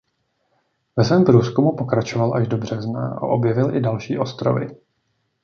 Ve svém průzkumu pokračoval až do března a objevil i další ostrovy.